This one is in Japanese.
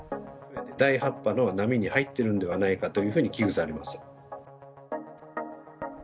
第８波の波に入ってるんではないかというふうに危ぐされます。